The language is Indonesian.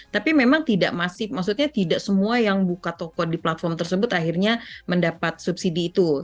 tapi memang tidak masif maksudnya tidak semua yang buka toko di platform tersebut akhirnya mendapat subsidi itu